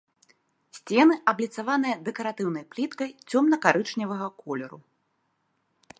Сцены абліцаваныя дэкаратыўнай пліткай цёмна-карычневага колеру.